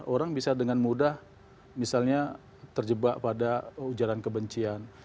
orang bisa dengan mudah misalnya terjebak pada ujaran kebencian